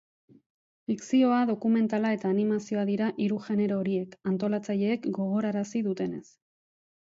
Fikzioa, dokumentala eta animazioa dira hiru genero horiek, antolatzaileek gogorarazi dutenez.